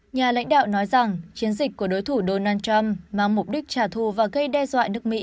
nhà lãnh đạo nói rằng chiến dịch của đối thủ donald trump mang mục đích trả thù và gây đe dọa nước mỹ